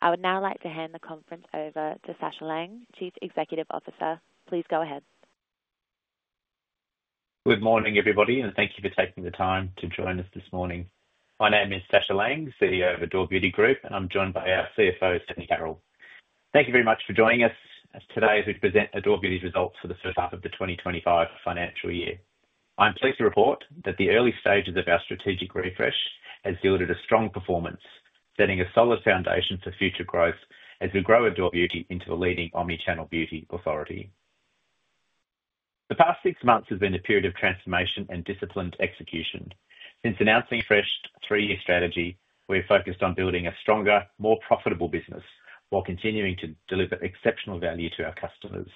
I would now like to hand the conference over to Sacha Laing, Chief Executive Officer. Please go ahead. Good morning, everybody, and thank you for taking the time to join us this morning. My name is Sacha Laing, CEO of Adore Beauty Group, and I'm joined by our CFO, Stephanie Carroll. Thank you very much for joining us today as we present Adore Beauty's results for the first half of the 2025 financial year. I'm pleased to report that the early stages of our strategic refresh have yielded a strong performance, setting a solid foundation for future growth as we grow Adore Beauty into a leading omnichannel beauty authority. The past six months have been a period of transformation and disciplined execution. Since announcing a fresh three-year strategy, we've focused on building a stronger, more profitable business while continuing to deliver exceptional value to our customers.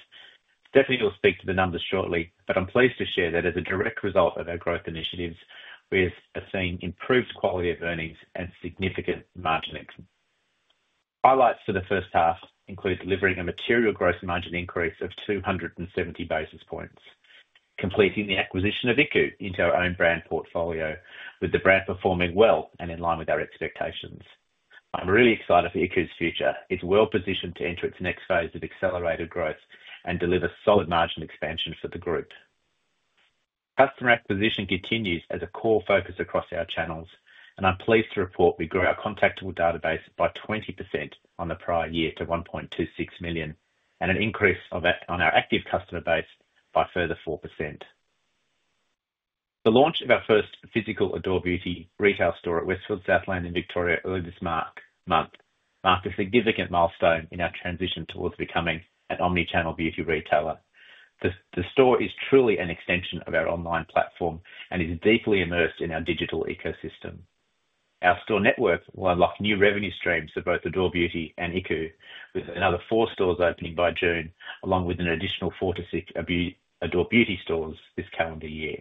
Stephanie will speak to the numbers shortly, but I'm pleased to share that as a direct result of our growth initiatives, we have seen improved quality of earnings and significant margin excellence. Highlights for the first half include delivering a material gross margin increase of 270 basis points, completing the acquisition of iKOU into our own brand portfolio, with the brand performing well and in line with our expectations. I'm really excited for iKOU's future. It's well positioned to enter its next phase of accelerated growth and deliver solid margin expansion for the group. Customer acquisition continues as a core focus across our channels, and I'm pleased to report we grew our contactable database by 20% on the prior year to 1.26 million and an increase on our active customer base by a further 4%. The launch of our first physical Adore Beauty retail store at Westfield Southland in Victoria earlier this month marked a significant milestone in our transition towards becoming an omnichannel beauty retailer. The store is truly an extension of our online platform and is deeply immersed in our digital ecosystem. Our store network will unlock new revenue streams for both Adore Beauty and iKOU, with another four stores opening by June, along with an additional four to six Adore Beauty stores this calendar year.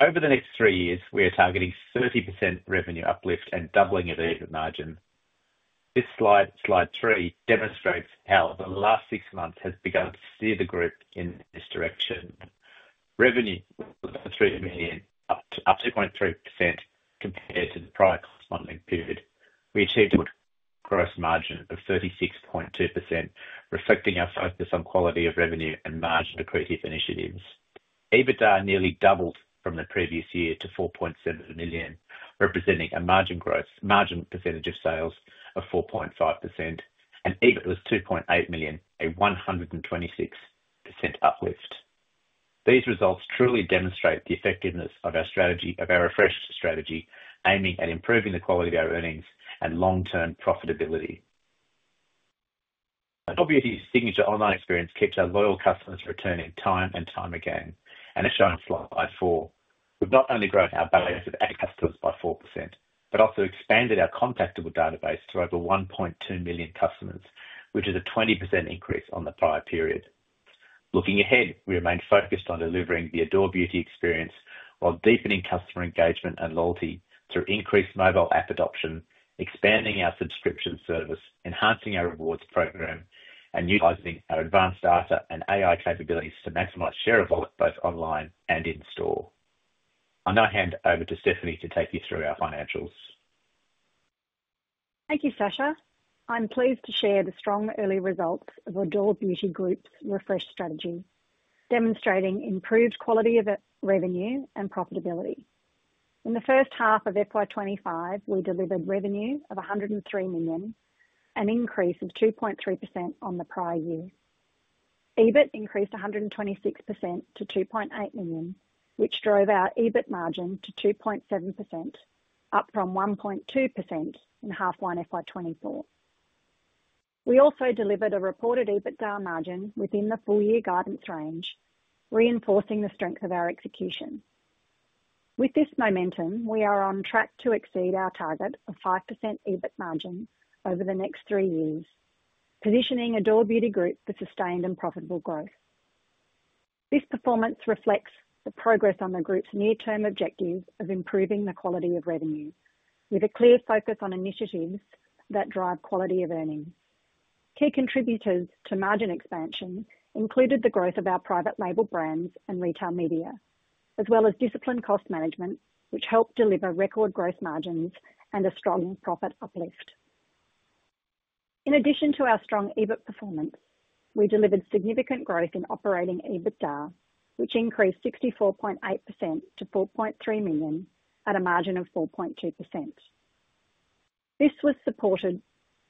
Over the next three years, we are targeting 30% revenue uplift and doubling of the margin. This slide, slide three, demonstrates how the last six months have begun to steer the group in this direction. Revenue up to 2.3% compared to the prior corresponding period. We achieved a gross margin of 36.2%, reflecting our focus on quality of revenue and margin accretive initiatives. EBITDA nearly doubled from the previous year to 4.7 million, representing a margin percentage of sales of 4.5%, and EBIT was 2.8 million, a 126% uplift. These results truly demonstrate the effectiveness of our strategy, of our refreshed strategy, aiming at improving the quality of our earnings and long-term profitability. Adore Beauty's signature online experience keeps our loyal customers returning time and time again, and as shown in slide four, we have not only grown our base of customers by 4%, but also expanded our contactable database to over 1.2 million customers, which is a 20% increase on the prior period. Looking ahead, we remain focused on delivering the Adore Beauty experience while deepening customer engagement and loyalty through increased mobile app adoption, expanding our subscription service, enhancing our rewards program, and utilizing our advanced data and AI capabilities to maximize share of both online and in store. I now hand over to Stephanie to take you through our financials. Thank you, Sacha. I'm pleased to share the strong early results of Adore Beauty Group's refreshed strategy, demonstrating improved quality of revenue and profitability. In the first half of FY2025, we delivered revenue of 103 million, an increase of 2.3% on the prior year. EBIT increased 126% to 2.8 million, which drove our EBIT margin to 2.7%, up from 1.2% in half one FY2024. We also delivered a reported EBITDA margin within the full year guidance range, reinforcing the strength of our execution. With this momentum, we are on track to exceed our target of 5% EBIT margin over the next three years, positioning Adore Beauty Group for sustained and profitable growth. This performance reflects the progress on the group's near-term objectives of improving the quality of revenue, with a clear focus on initiatives that drive quality of earnings. Key contributors to margin expansion included the growth of our private label brands and retail media, as well as disciplined cost management, which helped deliver record gross margins and a strong profit uplift. In addition to our strong EBIT performance, we delivered significant growth in operating EBITDA, which increased 64.8% to 4.3 million at a margin of 4.2%. This was supported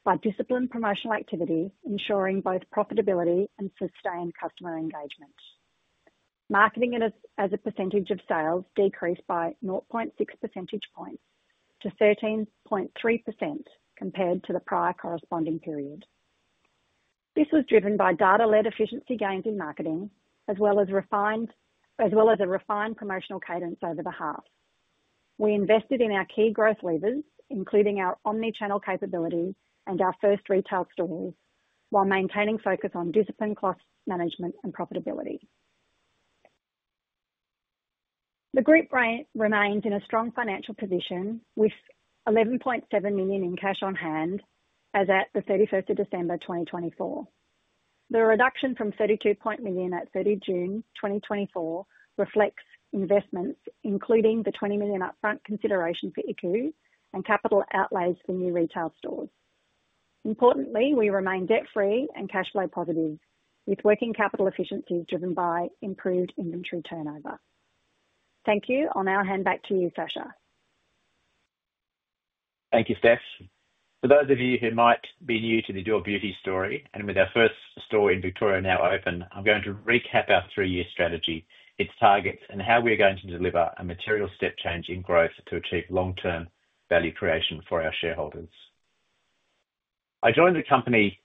by disciplined promotional activity, ensuring both profitability and sustained customer engagement. Marketing as a percentage of sales decreased by 0.6 percentage points to 13.3% compared to the prior corresponding period. This was driven by data-led efficiency gains in marketing, as well as a refined promotional cadence over the half. We invested in our key growth levers, including our omnichannel capability and our first retail stores, while maintaining focus on disciplined cost management and profitability. The group remains in a strong financial position with 11.7 million in cash on hand as at the 31st of December 2024. The reduction from 32.1 million at 30 June 2024 reflects investments, including the 20 million upfront consideration for iKOU and capital outlays for new retail stores. Importantly, we remain debt-free and cash flow positive, with working capital efficiencies driven by improved inventory turnover. Thank you. I'll now hand back to you, Sacha. Thank you, Steph. For those of you who might be new to the Adore Beauty story and with our first store in Victoria now open, I'm going to recap our three-year strategy, its targets, and how we are going to deliver a material step change in growth to achieve long-term value creation for our shareholders. I joined the company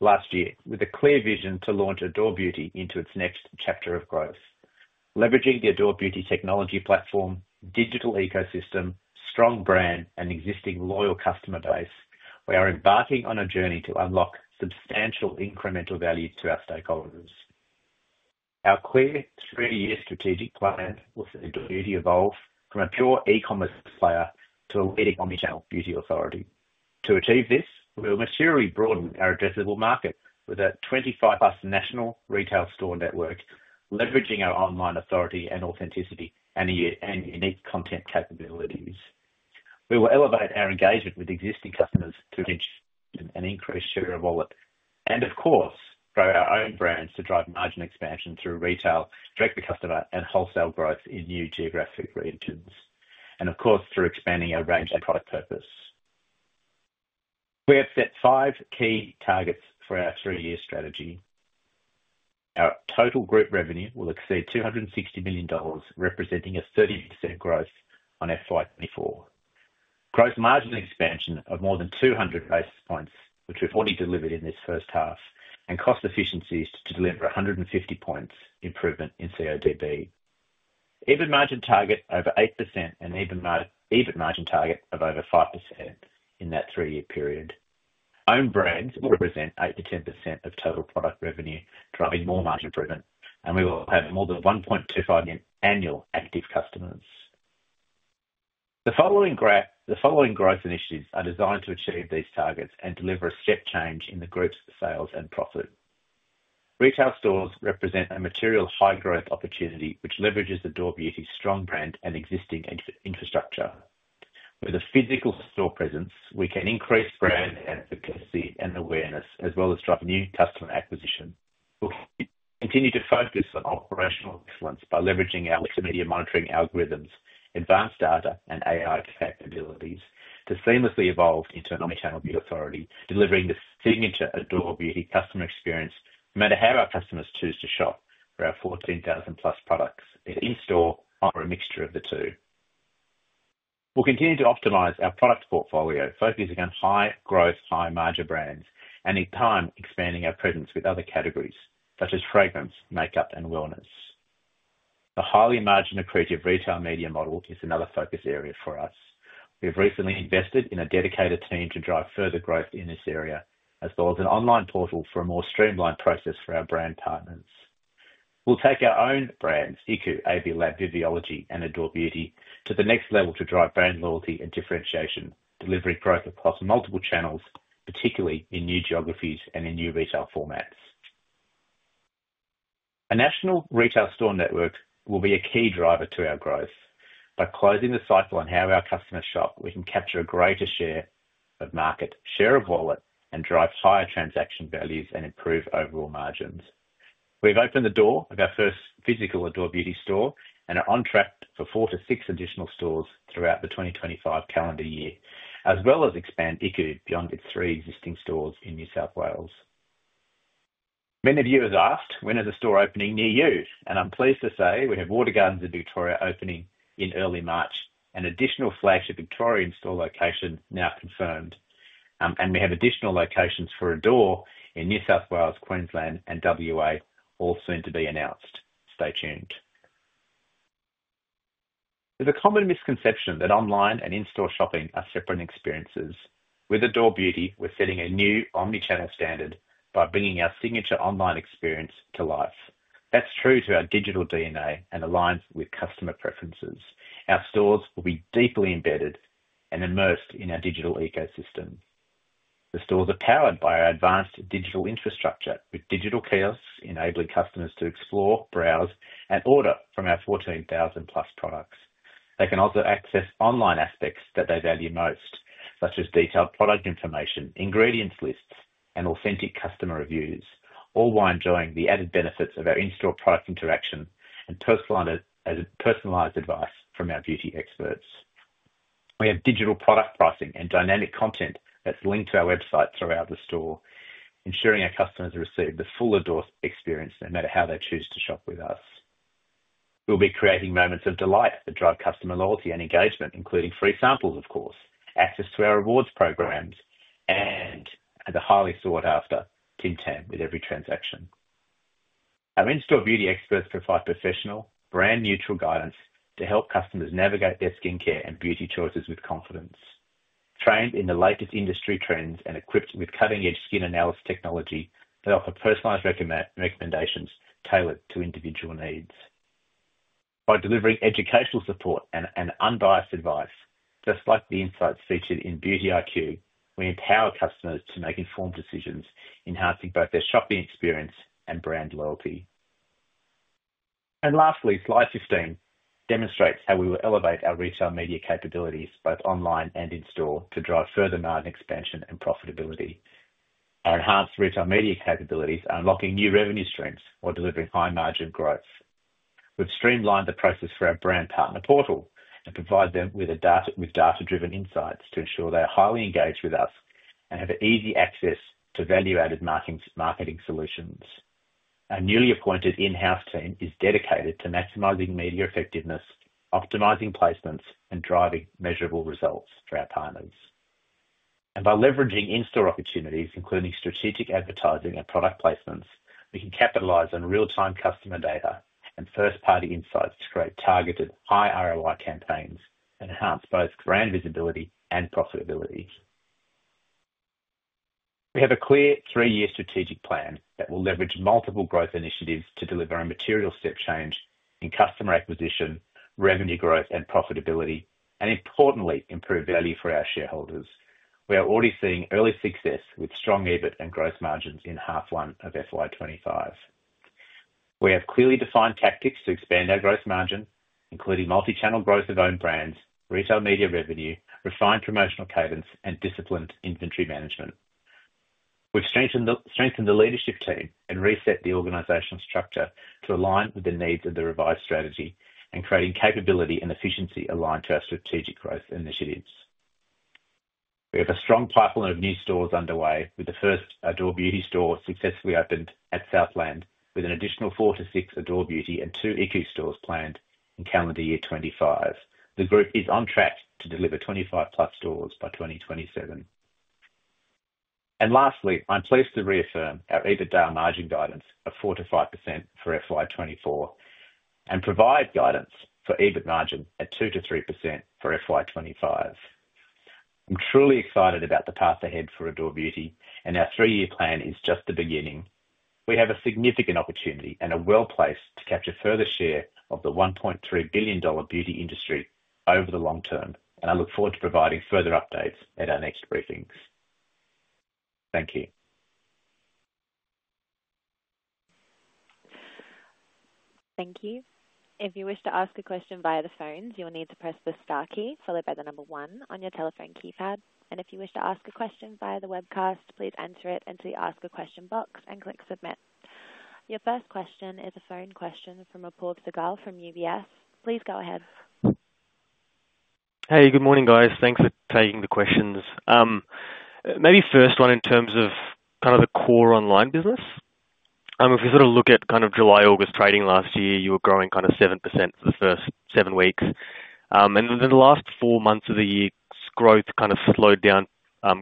last year with a clear vision to launch Adore Beauty into its next chapter of growth. Leveraging the Adore Beauty technology platform, digital ecosystem, strong brand, and existing loyal customer base, we are embarking on a journey to unlock substantial incremental value to our stakeholders. Our clear three-year strategic plan will see Adore Beauty evolve from a pure e-commerce player to a leading omnichannel beauty authority. To achieve this, we will materially broaden our addressable market with a 25-plus national retail store network, leveraging our online authority and authenticity and unique content capabilities. We will elevate our engagement with existing customers to reach an increased share of wallet and, of course, grow our own brands to drive margin expansion through retail, direct-to-customer, and wholesale growth in new geographic regions, and, of course, through expanding our range and product purpose. We have set five key targets for our three-year strategy. Our total group revenue will exceed 260 million dollars, representing a 30% growth on FY2024. Gross margin expansion of more than 200 basis points, which we've already delivered in this first half, and cost efficiencies to deliver 150 basis points improvement in CODB. EBIT margin target over 8% and EBIT margin target of over 5% in that three-year period. Own brands will represent 8-10% of total product revenue, driving more margin improvement, and we will have more than 1.25 million annual active customers. The following growth initiatives are designed to achieve these targets and deliver a step change in the group's sales and profit. Retail stores represent a material high-growth opportunity, which leverages Adore Beauty's strong brand and existing infrastructure. With a physical store presence, we can increase brand advocacy and awareness, as well as drive new customer acquisition. We'll continue to focus on operational excellence by leveraging our multimedia monitoring algorithms, advanced data, and AI capabilities to seamlessly evolve into an omnichannel beauty authority, delivering the signature Adore Beauty customer experience no matter how our customers choose to shop for our 14,000-plus products, in store or a mixture of the two. We'll continue to optimize our product portfolio, focusing on high-growth, high-margin brands, and in time expanding our presence with other categories such as fragrance, makeup, and wellness. The highly margin-accretive retail media model is another focus area for us. We have recently invested in a dedicated team to drive further growth in this area, as well as an online portal for a more streamlined process for our brand partners. We'll take our own brands, iKOU, AB Lab, Viviology, and Adore Beauty, to the next level to drive brand loyalty and differentiation, delivering growth across multiple channels, particularly in new geographies and in new retail formats. A national retail store network will be a key driver to our growth. By closing the cycle on how our customers shop, we can capture a greater share of market, share of wallet, and drive higher transaction values and improve overall margins. We've opened the door of our first physical Adore Beauty store and are on track for four to six additional stores throughout the 2025 calendar year, as well as expand iKOU beyond its three existing stores in New South Wales. Many of you have asked, "When is a store opening near you?" I'm pleased to say we have Water Gardens in Victoria opening in early March, an additional flagship Victorian store location now confirmed, and we have additional locations for Adore in New South Wales, Queensland, and WA, all soon to be announced. Stay tuned. There's a common misconception that online and in-store shopping are separate experiences. With Adore Beauty, we're setting a new omnichannel standard by bringing our signature online experience to life. That's true to our digital DNA and aligns with customer preferences. Our stores will be deeply embedded and immersed in our digital ecosystem. The stores are powered by our advanced digital infrastructure, with digital kiosks enabling customers to explore, browse, and order from our 14,000-plus products. They can also access online aspects that they value most, such as detailed product information, ingredients lists, and authentic customer reviews, all while enjoying the added benefits of our in-store product interaction and personalized advice from our beauty experts. We have digital product pricing and dynamic content that is linked to our website throughout the store, ensuring our customers receive the full Adore experience no matter how they choose to shop with us. We'll be creating moments of delight that drive customer loyalty and engagement, including free samples, of course, access to our rewards programs, and the highly sought-after Tim Tam with every transaction. Our in-store beauty experts provide professional, brand-neutral guidance to help customers navigate their skincare and beauty choices with confidence. Trained in the latest industry trends and equipped with cutting-edge skin analysis technology, they offer personalized recommendations tailored to individual needs. By delivering educational support and unbiased advice, just like the insights featured in Beauty IQ, we empower customers to make informed decisions, enhancing both their shopping experience and brand loyalty. Lastly, slide 15 demonstrates how we will elevate our retail media capabilities, both online and in store, to drive further margin expansion and profitability. Our enhanced retail media capabilities are unlocking new revenue streams while delivering high margin growth. We have streamlined the process for our brand partner portal and provide them with data-driven insights to ensure they are highly engaged with us and have easy access to value-added marketing solutions. Our newly appointed in-house team is dedicated to maximizing media effectiveness, optimizing placements, and driving measurable results for our partners. By leveraging in-store opportunities, including strategic advertising and product placements, we can capitalize on real-time customer data and first-party insights to create targeted high ROI campaigns and enhance both brand visibility and profitability. We have a clear three-year strategic plan that will leverage multiple growth initiatives to deliver a material step change in customer acquisition, revenue growth, and profitability, and importantly, improve value for our shareholders. We are already seeing early success with strong EBIT and gross margins in half one of FY25. We have clearly defined tactics to expand our gross margin, including multi-channel growth of own brands, retail media revenue, refined promotional cadence, and disciplined inventory management. We've strengthened the leadership team and reset the organizational structure to align with the needs of the revised strategy and creating capability and efficiency aligned to our strategic growth initiatives. We have a strong pipeline of new stores underway, with the first Adore Beauty store successfully opened at Southland, with an additional four to six Adore Beauty and two iKOU stores planned in calendar year 2025. The group is on track to deliver 25-plus stores by 2027. Lastly, I'm pleased to reaffirm our EBITDA margin guidance of 4-5% for FY2024 and provide guidance for EBIT margin at 2-3% for FY2025. I'm truly excited about the path ahead for Adore Beauty, and our three-year plan is just the beginning. We have a significant opportunity and a well-placed position to capture further share of the $1.3 billion beauty industry over the long term, and I look forward to providing further updates at our next briefings. Thank you. Thank you. If you wish to ask a question via the phone, you'll need to press the star key followed by the number one on your telephone keypad. If you wish to ask a question via the webcast, please enter it into the ask a question box and click submit. Your first question is a phone question from Paul Segal from UBS. Please go ahead. Hey, good morning, guys. Thanks for taking the questions. Maybe first one in terms of kind of the core online business. If we sort of look at kind of July, August trading last year, you were growing kind of 7% for the first seven weeks. Then the last four months of the year, growth kind of slowed down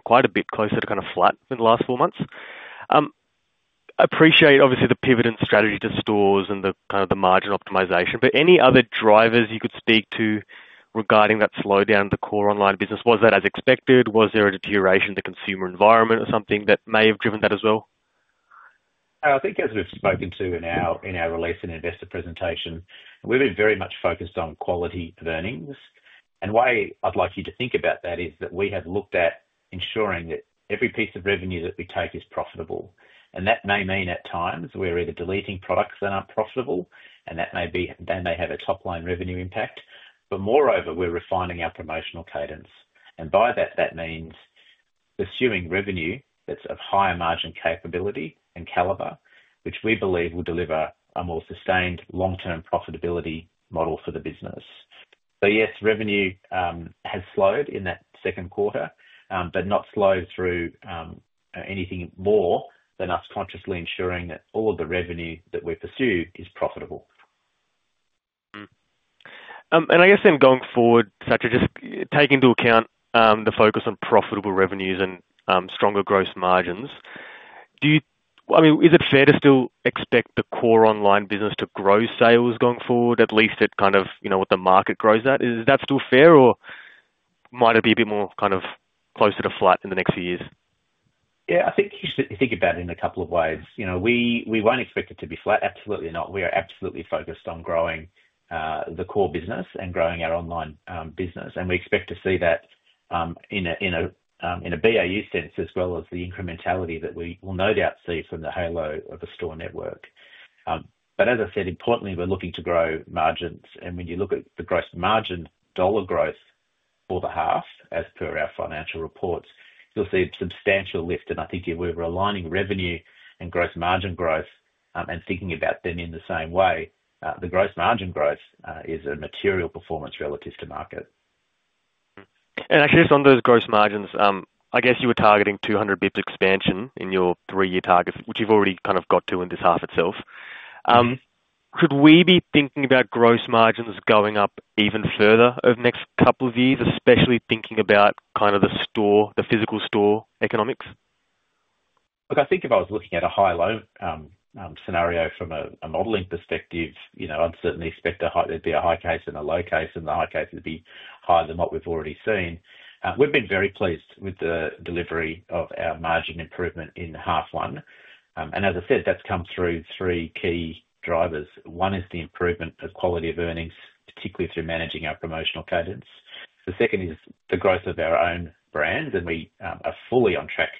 quite a bit, closer to kind of flat in the last four months. I appreciate, obviously, the pivot in strategy to stores and kind of the margin optimization, but any other drivers you could speak to regarding that slowdown in the core online business? Was that as expected? Was there a deterioration in the consumer environment or something that may have driven that as well? I think as we've spoken to in our release and investor presentation, we've been very much focused on quality of earnings. The way I'd like you to think about that is that we have looked at ensuring that every piece of revenue that we take is profitable. That may mean at times we're either deleting products that aren't profitable, and that may have a top-line revenue impact. Moreover, we're refining our promotional cadence. By that, that means pursuing revenue that's of higher margin capability and caliber, which we believe will deliver a more sustained long-term profitability model for the business. Yes, revenue has slowed in that second quarter, but not slowed through anything more than us consciously ensuring that all of the revenue that we pursue is profitable. I guess then going forward, Sacha, just take into account the focus on profitable revenues and stronger gross margins. I mean, is it fair to still expect the core online business to grow sales going forward, at least at kind of what the market grows at? Is that still fair, or might it be a bit more kind of closer to flat in the next few years? Yeah, I think you should think about it in a couple of ways. We won't expect it to be flat. Absolutely not. We are absolutely focused on growing the core business and growing our online business. We expect to see that in a BAU sense as well as the incrementality that we will no doubt see from the halo of the store network. As I said, importantly, we're looking to grow margins. When you look at the gross margin dollar growth for the half, as per our financial reports, you'll see a substantial lift. I think if we were aligning revenue and gross margin growth and thinking about them in the same way, the gross margin growth is a material performance relative to market. Actually, just on those gross margins, I guess you were targeting 200 basis points expansion in your three-year target, which you've already kind of got to in this half itself. Could we be thinking about gross margins going up even further over the next couple of years, especially thinking about kind of the physical store economics? Look, I think if I was looking at a high-low scenario from a modeling perspective, I'd certainly expect there'd be a high case and a low case, and the high case would be higher than what we've already seen. We've been very pleased with the delivery of our margin improvement in half one. As I said, that's come through three key drivers. One is the improvement of quality of earnings, particularly through managing our promotional cadence. The second is the growth of our own brand, and we are fully on track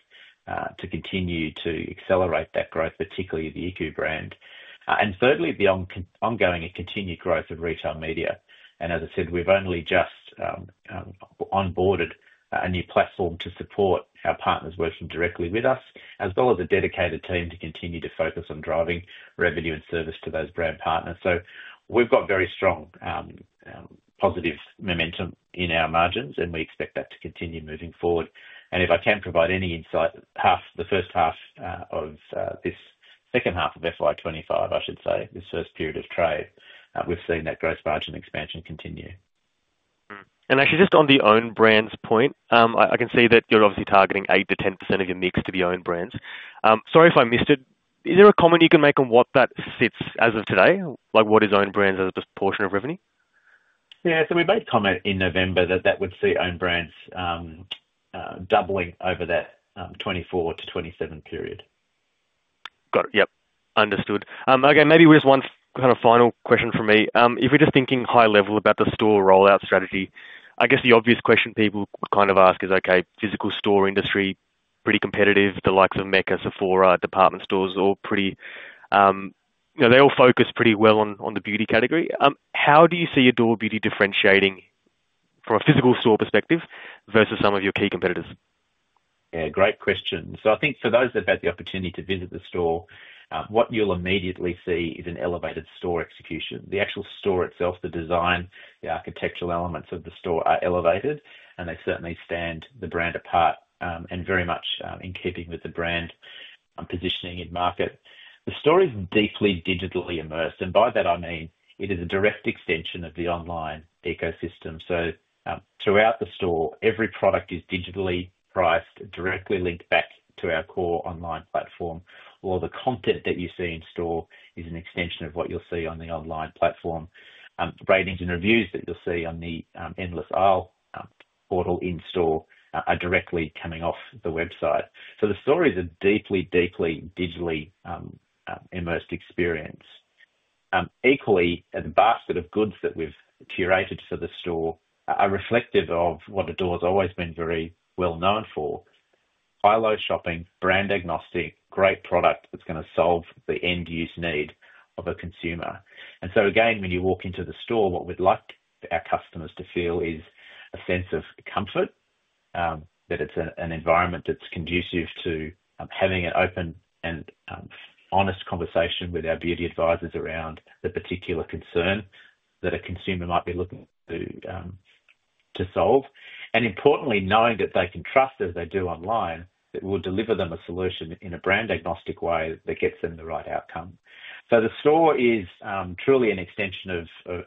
to continue to accelerate that growth, particularly the iKOU brand. Thirdly, the ongoing and continued growth of retail media. As I said, we've only just onboarded a new platform to support our partners working directly with us, as well as a dedicated team to continue to focus on driving revenue and service to those brand partners. We have got very strong positive momentum in our margins, and we expect that to continue moving forward. If I can provide any insight, the first half of this second half of FY2025, I should say, this first period of trade, we have seen that gross margin expansion continue. Actually, just on the own brands point, I can see that you're obviously targeting 8-10% of your mix to be owned brands. Sorry if I missed it. Is there a comment you can make on what that sits as of today? Like what is owned brands as a proportion of revenue? Yeah, so we made a comment in November that that would see owned brands doubling over that 2024 to 2027 period. Got it. Yep. Understood. Okay, maybe just one kind of final question from me. If we're just thinking high level about the store rollout strategy, I guess the obvious question people would kind of ask is, okay, physical store industry, pretty competitive, the likes of Mecca, Sephora, department stores, all pretty they all focus pretty well on the beauty category. How do you see Adore Beauty differentiating from a physical store perspective versus some of your key competitors? Yeah, great question. I think for those that've had the opportunity to visit the store, what you'll immediately see is an elevated store execution. The actual store itself, the design, the architectural elements of the store are elevated, and they certainly stand the brand apart and very much in keeping with the brand positioning in market. The store is deeply digitally immersed, and by that I mean it is a direct extension of the online ecosystem. Throughout the store, every product is digitally priced, directly linked back to our core online platform, while the content that you see in store is an extension of what you'll see on the online platform. Ratings and reviews that you'll see on the endless aisle portal in store are directly coming off the website. The store is a deeply, deeply digitally immersed experience. Equally, the basket of goods that we've curated for the store are reflective of what Adore has always been very well known for: high-low shopping, brand-agnostic, great product that's going to solve the end-use need of a consumer. When you walk into the store, what we'd like our customers to feel is a sense of comfort, that it's an environment that's conducive to having an open and honest conversation with our beauty advisors around the particular concern that a consumer might be looking to solve. Importantly, knowing that they can trust as they do online that we'll deliver them a solution in a brand-agnostic way that gets them the right outcome. The store is truly an extension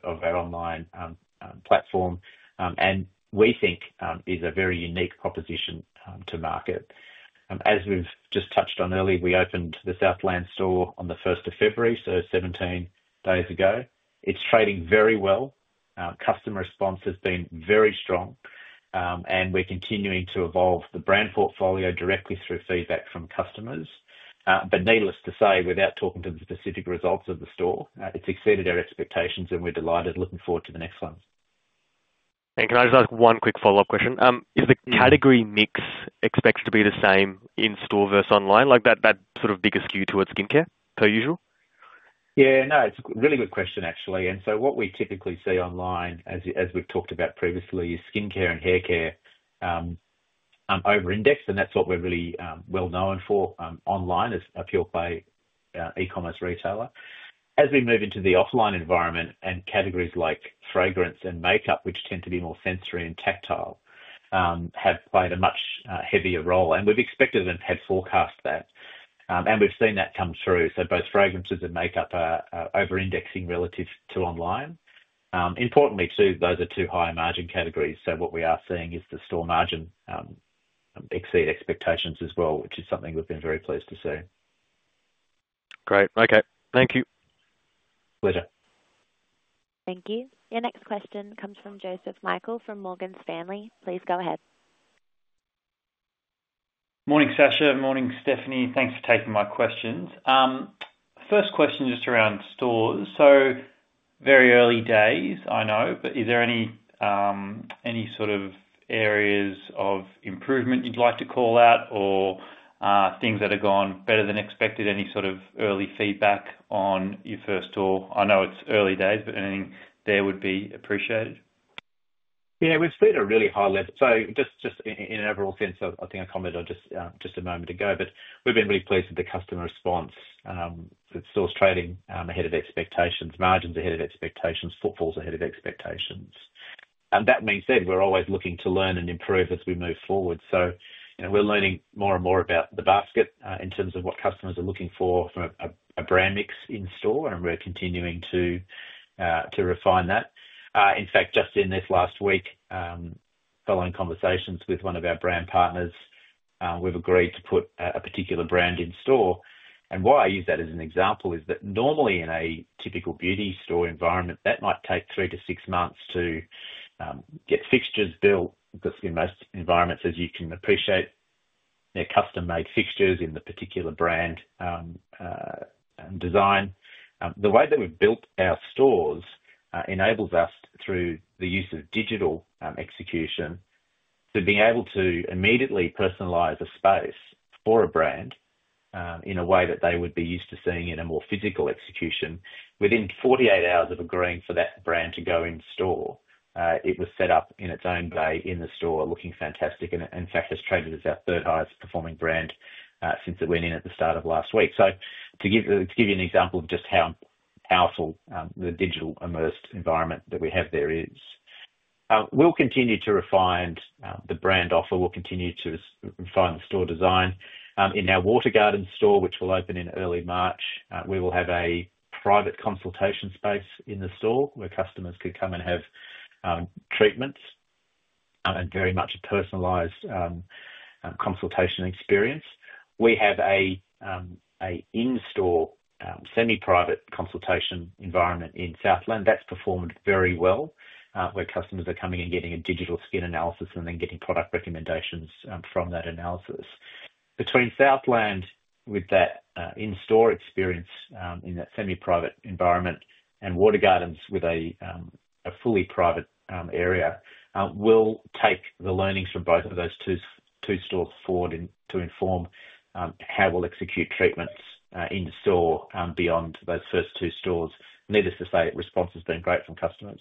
of our online platform, and we think is a very unique proposition to market. As we've just touched on earlier, we opened the Southland store on the 1st of February, so 17 days ago. It's trading very well. Customer response has been very strong, and we're continuing to evolve the brand portfolio directly through feedback from customers. Needless to say, without talking to the specific results of the store, it's exceeded our expectations, and we're delighted, looking forward to the next one. Can I just ask one quick follow-up question? Is the category mix expected to be the same in store versus online? Like that sort of bigger skew towards skincare per usual? Yeah, no, it's a really good question, actually. What we typically see online, as we've talked about previously, is skincare and haircare over-indexed, and that's what we're really well known for online as a pure-play e-commerce retailer. As we move into the offline environment, categories like fragrance and makeup, which tend to be more sensory and tactile, have played a much heavier role. We expected and had forecast that, and we've seen that come through. Both fragrances and makeup are over-indexing relative to online. Importantly, too, those are two high-margin categories. What we are seeing is the store margin exceed expectations as well, which is something we've been very pleased to see. Great. Okay. Thank you. Pleasure. Thank you. Your next question comes from Joseph Michael from Morgan Stanley. Please go ahead. Morning, Sacha. Morning, Stephanie. Thanks for taking my questions. First question just around stores. Very early days, I know, but is there any sort of areas of improvement you'd like to call out or things that have gone better than expected? Any sort of early feedback on your first store? I know it's early days, but anything there would be appreciated. Yeah, we've seen a really high level. Just in an overall sense, I think I commented on just a moment ago, but we've been really pleased with the customer response. The store's trading ahead of expectations, margins ahead of expectations, footfalls ahead of expectations. That being said, we're always looking to learn and improve as we move forward. We're learning more and more about the basket in terms of what customers are looking for from a brand mix in store, and we're continuing to refine that. In fact, just in this last week, following conversations with one of our brand partners, we've agreed to put a particular brand in store. Why I use that as an example is that normally in a typical beauty store environment, that might take three to six months to get fixtures built. In most environments, as you can appreciate, they're custom-made fixtures in the particular brand design. The way that we've built our stores enables us, through the use of digital execution, to be able to immediately personalize a space for a brand in a way that they would be used to seeing in a more physical execution. Within 48 hours of agreeing for that brand to go in store, it was set up in its own way in the store, looking fantastic, and in fact, has traded as our third-highest performing brand since it went in at the start of last week. To give you an example of just how powerful the digital immersed environment that we have there is, we'll continue to refine the brand offer. We'll continue to refine the store design. In our Water Gardens store, which will open in early March, we will have a private consultation space in the store where customers could come and have treatments and very much a personalized consultation experience. We have an in-store semi-private consultation environment in Southland that's performed very well, where customers are coming and getting a digital skin analysis and then getting product recommendations from that analysis. Between Southland with that in-store experience in that semi-private environment and Water Gardens with a fully private area, we'll take the learnings from both of those two stores forward to inform how we'll execute treatments in store beyond those first two stores. Needless to say, response has been great from customers.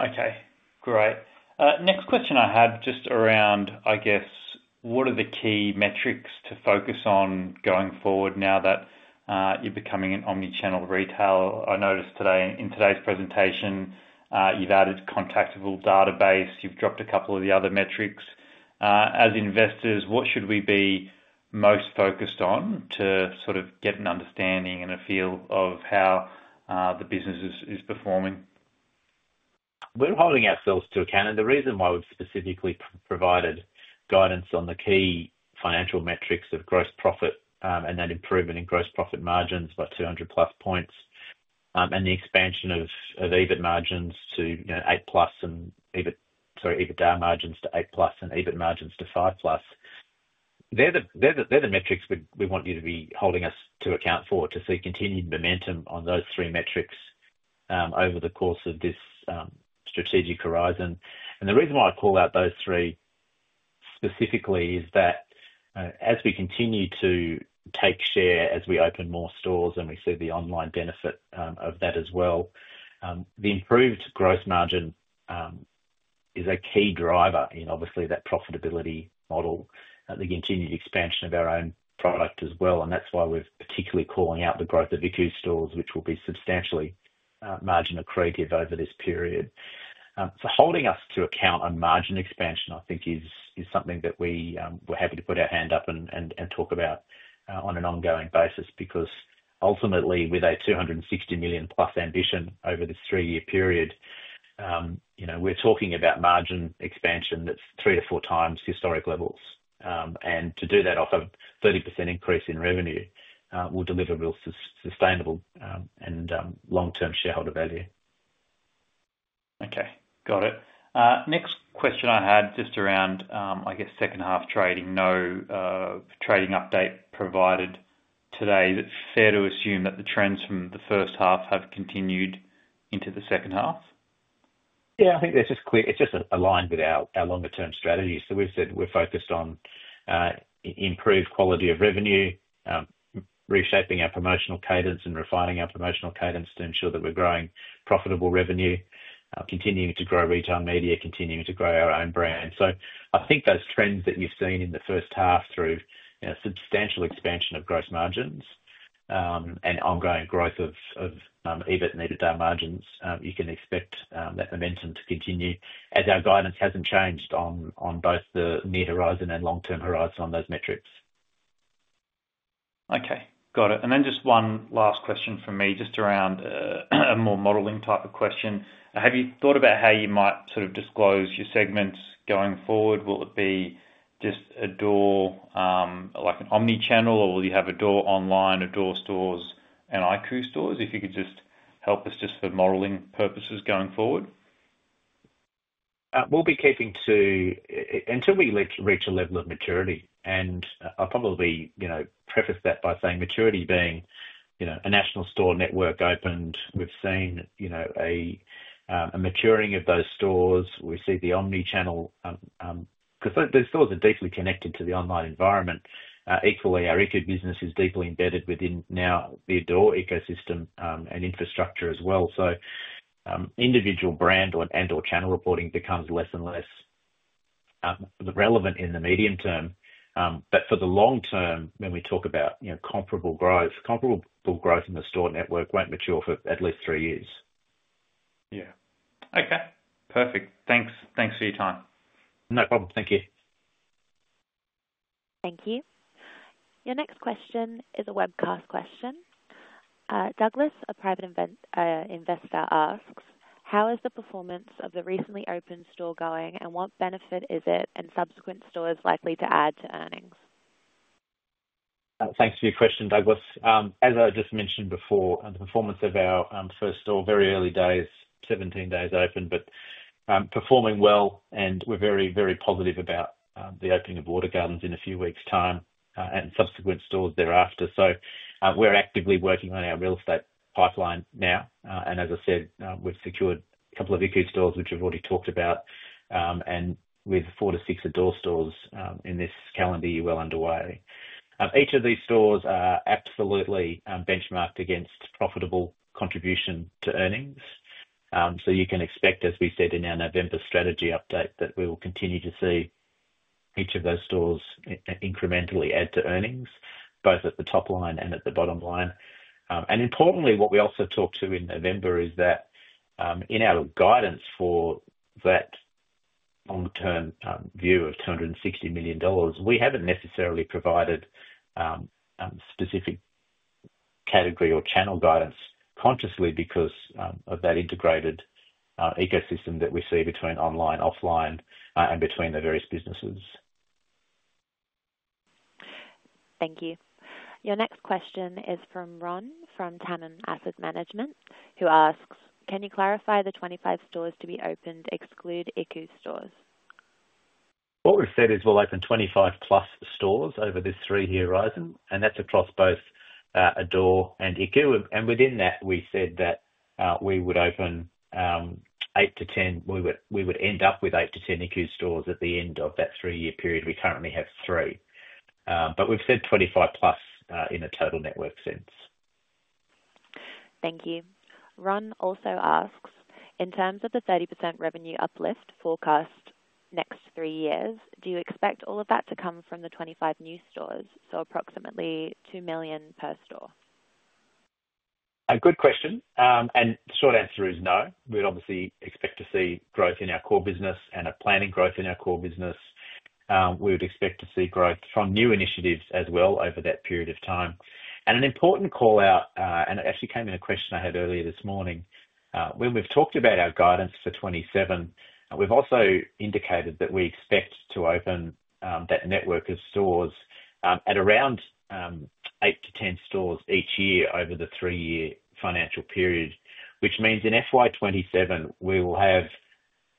Okay. Great. Next question I had just around, I guess, what are the key metrics to focus on going forward now that you're becoming an omnichannel retailer? I noticed today in today's presentation, you've added a contactable database. You've dropped a couple of the other metrics. As investors, what should we be most focused on to sort of get an understanding and a feel of how the business is performing? We're holding ourselves to account. The reason why we've specifically provided guidance on the key financial metrics of gross profit and that improvement in gross profit margins by 200 plus basis points and the expansion of EBIT margins to 8 plus and EBITDA margins to 8 plus and EBIT margins to 5 plus, they're the metrics we want you to be holding us to account for to see continued momentum on those three metrics over the course of this strategic horizon. The reason why I call out those three specifically is that as we continue to take share as we open more stores and we see the online benefit of that as well, the improved gross margin is a key driver in, obviously, that profitability model, the continued expansion of our own product as well. That is why we're particularly calling out the growth of iKOU stores, which will be substantially margin accretive over this period. Holding us to account on margin expansion, I think, is something that we're happy to put our hand up and talk about on an ongoing basis because ultimately, with a 260 million plus ambition over this three-year period, we're talking about margin expansion that's three to four times historic levels. To do that off of a 30% increase in revenue will deliver real sustainable and long-term shareholder value. Okay. Got it. Next question I had just around, I guess, second half trading. No trading update provided today. Is it fair to assume that the trends from the first half have continued into the second half? Yeah, I think it's just aligned with our longer-term strategy. We've said we're focused on improved quality of revenue, reshaping our promotional cadence and refining our promotional cadence to ensure that we're growing profitable revenue, continuing to grow retail media, continuing to grow our own brand. I think those trends that you've seen in the first half through substantial expansion of gross margins and ongoing growth of EBIT and EBITDA margins, you can expect that momentum to continue as our guidance hasn't changed on both the mid-horizon and long-term horizon on those metrics. Okay. Got it. Just one last question from me, just around a more modeling type of question. Have you thought about how you might sort of disclose your segments going forward? Will it be just Adore like an omnichannel, or will you have Adore online, Adore stores, and iKOU stores? If you could just help us just for modeling purposes going forward. We'll be keeping to until we reach a level of maturity. I'll probably preface that by saying maturity being a national store network opened. We've seen a maturing of those stores. We see the omnichannel because those stores are deeply connected to the online environment. Equally, our iKOU business is deeply embedded within now the Adore ecosystem and infrastructure as well. Individual brand and/or channel reporting becomes less and less relevant in the medium term. For the long term, when we talk about comparable growth, comparable growth in the store network won't mature for at least three years. Yeah. Okay. Perfect. Thanks. Thanks for your time. No problem. Thank you. Thank you. Your next question is a webcast question. Douglas, a private investor, asks, "How is the performance of the recently opened store going, and what benefit is it, and subsequent stores likely to add to earnings? Thanks for your question, Douglas. As I just mentioned before, the performance of our first store, very early days, 17 days open, but performing well, and we're very, very positive about the opening of Water Gardens in a few weeks' time and subsequent stores thereafter. We're actively working on our real estate pipeline now. As I said, we've secured a couple of iKOU stores, which we've already talked about, and with four to six Adore stores in this calendar, you're well underway. Each of these stores are absolutely benchmarked against profitable contribution to earnings. You can expect, as we said in our November strategy update, that we will continue to see each of those stores incrementally add to earnings, both at the top line and at the bottom line. Importantly, what we also talked to in November is that in our guidance for that long-term view of 260 million dollars, we haven't necessarily provided specific category or channel guidance consciously because of that integrated ecosystem that we see between online, offline, and between the various businesses. Thank you. Your next question is from Ron from Cannon Asset Management, who asks, "Can you clarify the 25 stores to be opened exclude iKOU stores? What we've said is we'll open 25-plus stores over this three-year horizon, and that's across both Adore and iKOU. Within that, we said that we would open 8-10; we would end up with 8-10 iKOU stores at the end of that three-year period. We currently have three, but we've said 25-plus in a total network sense. Thank you. Ron also asks, "In terms of the 30% revenue uplift forecast next three years, do you expect all of that to come from the 25 new stores? So approximately 2 million per store? A good question. The short answer is no. We'd obviously expect to see growth in our core business and are planning growth in our core business. We would expect to see growth from new initiatives as well over that period of time. An important callout, and it actually came in a question I had earlier this morning. When we've talked about our guidance for 2027, we've also indicated that we expect to open that network of stores at around 8-10 stores each year over the three-year financial period, which means in FY 2027, we will have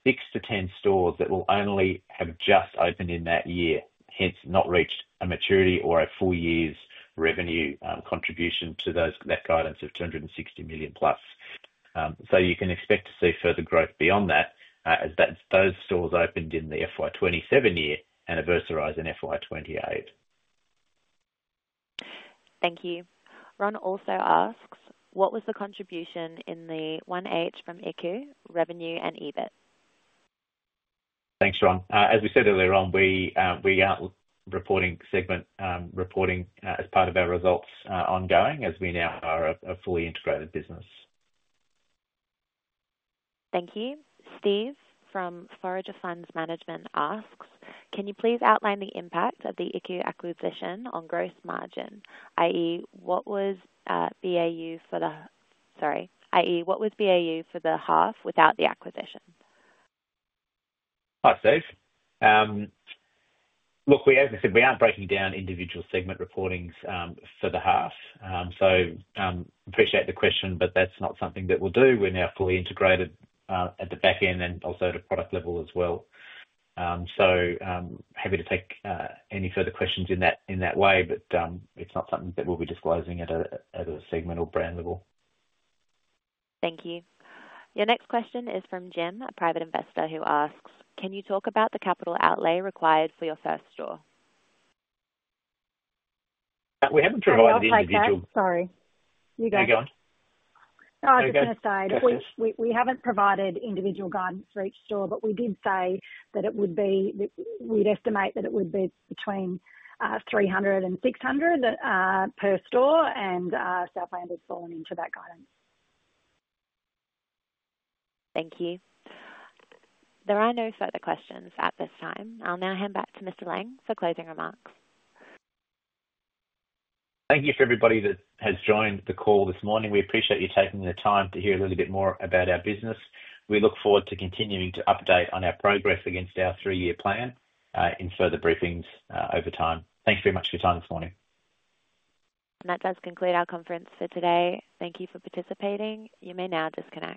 6-10 stores that will only have just opened in that year, hence not reached a maturity or a full year's revenue contribution to that guidance of 260 million plus. You can expect to see further growth beyond that as those stores open in the FY 2027 year and a versa rise in FY 2028. Thank you. Ron also asks, "What was the contribution in the first half from iKOU revenue and EBIT? Thanks, Ron. As we said earlier on, we are reporting segment reporting as part of our results ongoing as we now are a fully integrated business. Thank you. Steve from Forager Funds Management asks, "Can you please outline the impact of the iKOU acquisition on gross margin, i.e., what was BAU for the—sorry, i.e., what was BAU for the half without the acquisition? Hi, Steve. Look, as I said, we aren't breaking down individual segment reportings for the half. I appreciate the question, but that's not something that we'll do. We're now fully integrated at the back end and also at a product level as well. Happy to take any further questions in that way, but it's not something that we'll be disclosing at a segment or brand level. Thank you. Your next question is from Jim, a private investor, who asks, "Can you talk about the capital outlay required for your first store? We haven't provided individual. I'm sorry. You go. You go on. Oh, I was just going to say, we haven't provided individual guidance for each store, but we did say that it would be—we'd estimate that it would be between 300 and 600 per store, and Southland has fallen into that guidance. Thank you. There are no further questions at this time. I'll now hand back to Mr. Laing for closing remarks. Thank you for everybody that has joined the call this morning. We appreciate you taking the time to hear a little bit more about our business. We look forward to continuing to update on our progress against our three-year plan in further briefings over time. Thanks very much for your time this morning. That does conclude our conference for today. Thank you for participating. You may now disconnect.